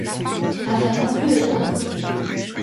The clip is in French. Affaire conclue, hein?